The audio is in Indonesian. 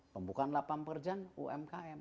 pembukaan lapangan pekerjaan umkm